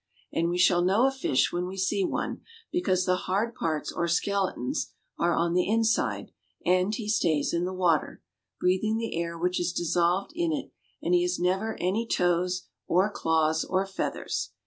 And we shall know a fish when we see one because the hard parts or skeleton are on the inside, and he stays in the water, breathing the air which is dissolved in it, and he has never any toes or claws or feathers.